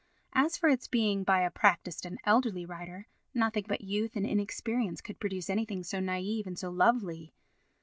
As for its being by a practised and elderly writer, nothing but youth and inexperience could produce anything so naïve and so lovely.